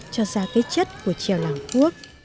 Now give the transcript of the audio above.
cho ra cái chất của trèo làng quốc